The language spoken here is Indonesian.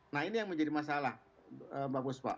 nah ini yang menjadi masalah mbak buspa